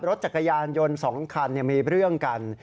รถจักรยานยนต์๒คันมีเรื่องกัน